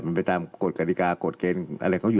แค่นั้นก็พร้อมส่งว่าใครจะเป็นก็เป็นไปดิ